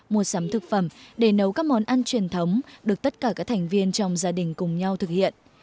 mua sắm thực phẩm để nấu các món ăn truyền thống được tất cả các thành viên trong gia đình cùng nhau thực hiện